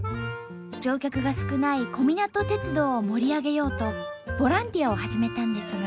乗客が少ない小湊鉄道を盛り上げようとボランティアを始めたんですが。